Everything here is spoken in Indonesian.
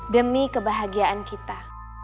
demi kebahagiaan kita